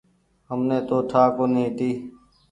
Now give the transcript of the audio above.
همني تو ٺآ ڪونيٚ هيتي۔